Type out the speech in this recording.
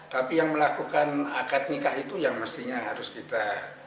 tapi yang melakukan akad nikah itu yang mestinya harus kita